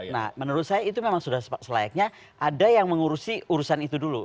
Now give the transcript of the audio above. nah menurut saya itu memang sudah selayaknya ada yang mengurusi urusan itu dulu